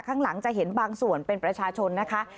ข้างหลังจะเห็นบางส่วนเป็นประชาชนนะคะ